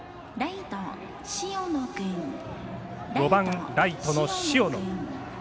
５番、ライトの塩野。